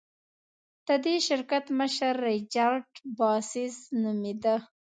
د دې شرکت مشر ریچارډ باسس نومېده.